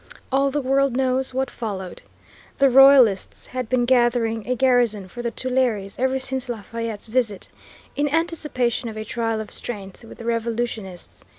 All the world knows what followed. The Royalists had been gathering a garrison for the Tuileries ever since Lafayette's visit, in anticipation of a trial of strength with the Revolutionists.